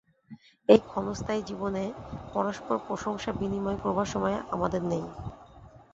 এই ক্ষণস্থায়ী জীবনে পরস্পর প্রশংসা-বিনিময় করবার সময় আমাদের নেই।